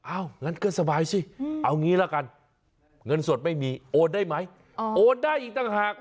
งั้นก็สบายสิเอางี้ละกันเงินสดไม่มีโอนได้ไหมโอนได้อีกต่างหาก